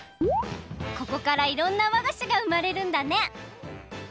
ここからいろんなわがしがうまれるんだね！